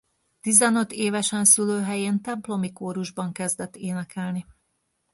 Tizenöt évesen szülőhelyén templomi kórusban kezdett énekelni.